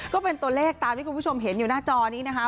ก็เป็นตัวเลขตามที่คุณผู้ชมเห็นอยู่หน้าจอนี้นะคะ